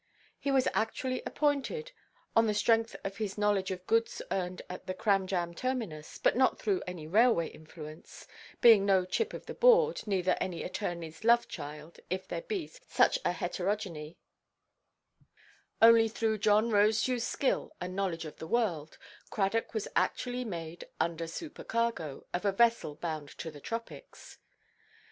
He was actually appointed—on the strength of his knowledge of goods earned at the Cramjam terminus, but not through any railway influence (being no chip of the board, neither any attorneyʼs "love–child"—if there be such a heterogeny), only through John Rosedewʼs skill and knowledge of the world, Cradock was actually made "under–supercargo" of a vessel bound to the tropics.